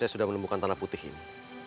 saya sudah menemukan tanah putih ini